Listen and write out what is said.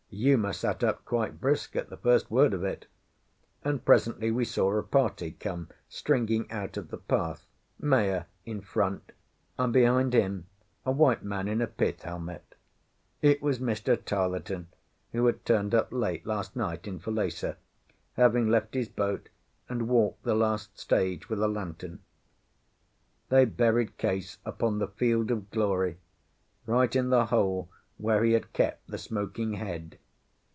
Uma sat up quite brisk at the first word of it; and presently we saw a party come stringing out of the path, Maea in front, and behind him a white man in a pith helmet. It was Mr. Tarleton, who had turned up late last night in Falesá, having left his boat and walked the last stage with a lantern. They buried Case upon the field of glory, right in the hole where he had kept the smoking head.